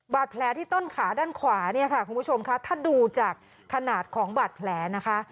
บาดแผลที่ต้นขาด้านขวาเนี่ยค่ะคุณผู้ชมค่ะถ้าดูจากขนาดของบาดแผลนะคะ